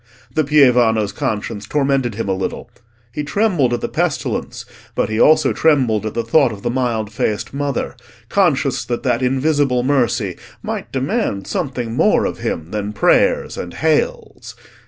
The pievano's conscience tormented him a little: he trembled at the pestilence, but he also trembled at the thought of the mild faced Mother, conscious that that Invisible Mercy might demand something more of him than prayers and "Hails."